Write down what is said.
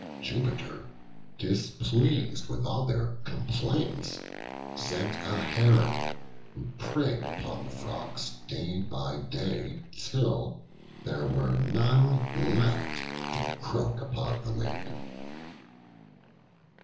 Jupiter, displeased with all their complaints, sent a Heron, who preyed upon the Frogs day by day till there were none left to croak upon the lake.